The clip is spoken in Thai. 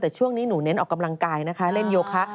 แต่ช่วงนี้หนูเน้นออกกำลังกายนะคะเล่นโยคะ